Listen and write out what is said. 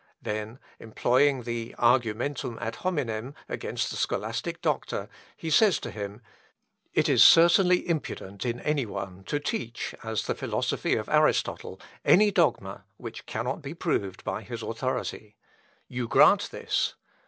" Then employing the argumentum ad hominem against the scholastic doctor, he says to him, "It is certainly impudent in any one to teach, as the philosophy of Aristotle, any dogma which cannot be proved by his authority. You grant this.